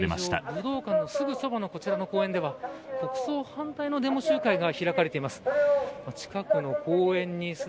武道館のすぐそばのこちらの公園では国葬反対のデモ集会が開かれています。